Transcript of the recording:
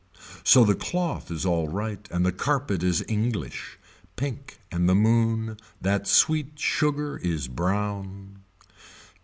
So the cloth is alright and the carpet is English. Pink and the moon, that sweet sugar is brown.